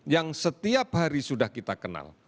yang setiap hari sudah kita kenal